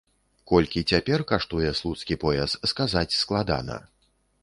Колькі цяпер каштуе слуцкі пояс, сказаць складана.